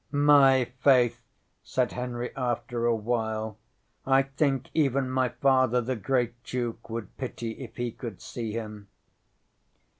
ŌĆśŌĆ£My faith! ŌĆØ said Henry after a while. ŌĆ£I think even my Father the Great Duke would pity if he could see him.